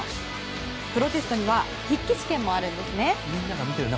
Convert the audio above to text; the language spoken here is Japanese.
プロテストには筆記試験もあるんですね。